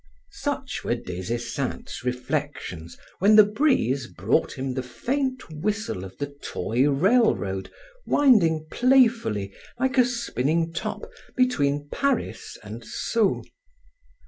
Such were Des Esseintes' reflections when the breeze brought him the faint whistle of the toy railroad winding playfully, like a spinning top, between Paris and Sceaux.